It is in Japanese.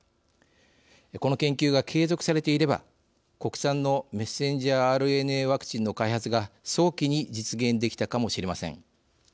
この研究が継続されていれば国産のメッセンジャーＲＮＡワクチンの開発が早期に実現できたかもしれません。